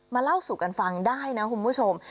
เล่าสู่กันฟังได้นะคุณผู้ชม